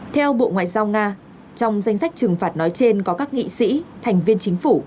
theo bộ ngoại giao nga trong danh sách trừng phạt nói trên có các nghị sĩ thành viên chính phủ